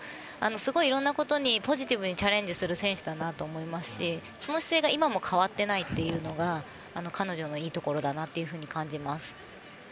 すごくいろんなことにポジティブにチャレンジする選手だなと思いますしその姿勢が今も変わっていないというのが彼女のいいところだなと感じます。